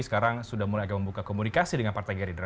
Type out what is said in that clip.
sekarang sudah mulai agak membuka komunikasi dengan partai gerindra